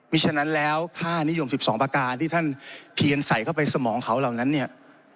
ฉะนั้นแล้วค่านิยม๑๒ประการที่ท่านเพียนใส่เข้าไปสมองเขาเหล่านั้นเนี่ย